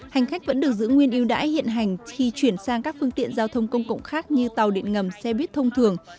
hành khách vẫn được giữ nguyên yêu đãi hiện hành khi chuyển sang các phương tiện giao thông công cộng khác như tàu điện ngầm xe buýt thông thường